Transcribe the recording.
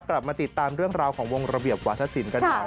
กลับมาติดตามเรื่องราวของวงระเบียบวาธศิลป์กันหน่อย